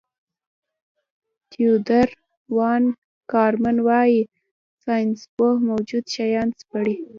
تیودور وان کارمن وايي ساینسپوه موجود شیان سپړي.